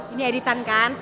ini editan kan